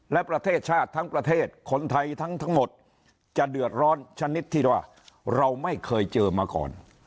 และประเทศชาติทั้งประเทศคนไทยทั้งหมดจะเดือดร้อนชนิดที่ว่าเราไม่เคยเจอมาก่อน